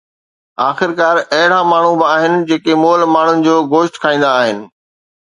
آخرڪار، اهڙا ماڻهو به آهن جيڪي مئل ماڻهن جو گوشت کائيندا آهن.